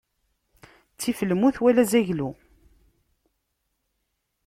Ttif lmut wala azaglu.